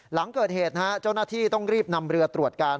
หลังเกิดเหตุนะฮะเจ้าหน้าที่ต้องรีบนำเรือตรวจการ